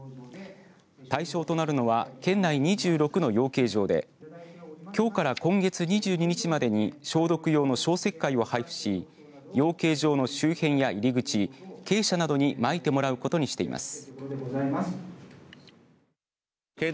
対象となるのは県内２６の養鶏場できょうから今月２２日までに消毒用の消石灰を配布し養鶏場の周辺や入り口鶏舎などにまいてもらうことにしています。